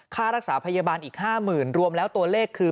ค่ารักษาพยาบาลอีก๕๐๐๐รวมแล้วตัวเลขคือ